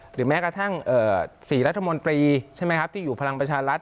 หรือแม้กระทั่ง๔รัฐมนตรีที่อยู่พลังประชารัฐ